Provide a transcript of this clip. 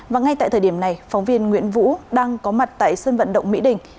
và ngay tại thời điểm này phóng viên nguyễn vũ đang có mặt tại sân vận động mỹ đình